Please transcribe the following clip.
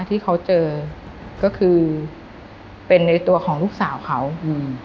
ที่เขาเจอก็คือเป็นในตัวของลูกสาวเขาอืม